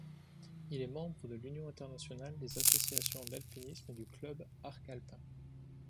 Il est membre de l'Union internationale des associations d'alpinisme et du Club Arc Alpin.